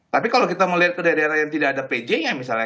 tapi kalau kita melihat ke daerah daerah yang tidak ada pj nya misalnya